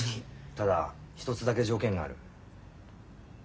ただ一つだけ条件がある。